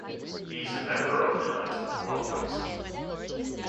He is a member of the Knights of Columbus.